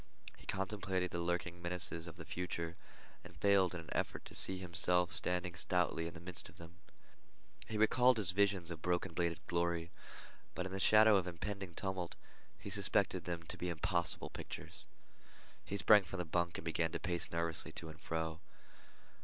He contemplated the lurking menaces of the future, and failed in an effort to see himself standing stoutly in the midst of them. He recalled his visions of broken bladed glory, but in the shadow of the impending tumult he suspected them to be impossible pictures. He sprang from the bunk and began to pace nervously to and fro.